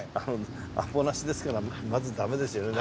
アポなしですからまずダメですよね